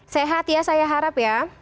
sehat ya saya harap